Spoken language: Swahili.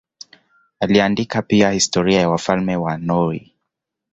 Aliandika pia historia ya wafalme wa Norwei.